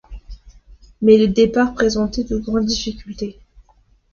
Mais le départ présentait de grandes difficultés.